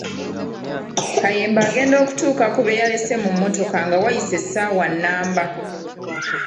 Kayemba agenda okutuuka ku be yalese mu mmotoka nga wayise essaawa nnamba.